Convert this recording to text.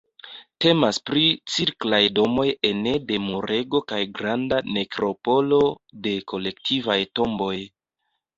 Temas pri cirklaj domoj ene de murego kaj granda nekropolo de kolektivaj tomboj.